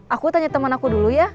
aku tanya teman aku dulu ya